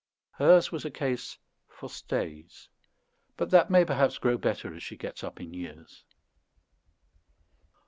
Hers was a case for stays; but that may perhaps grow better as she gets up in years.